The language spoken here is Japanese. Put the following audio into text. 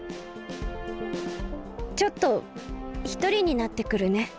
ちょっとひとりになってくるね。